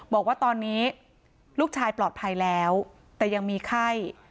บอกว่าตอนนี้ลูกชายปลอดภัยแล้วแต่ยังมีไข้